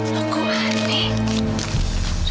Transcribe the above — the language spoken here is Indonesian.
loh kuat nih